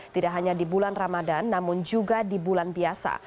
tidak hanya di bulan ramadan namun juga di bulan biasa